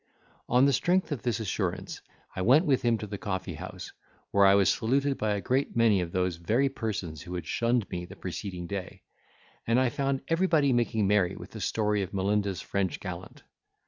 On the strength of this assurance, I went with him to the coffee house, where I was saluted by a great many of those very persons who had shunned me the preceding day; and I found everybody making merry with the story of Melinda's French gallant.